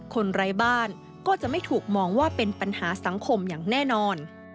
ไร้บ้านก็จะไม่ถูกมองว่าเป็นปัญหาสังคมอย่างแน่นอน